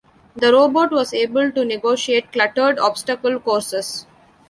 The robot was able to negotiate cluttered obstacle courses.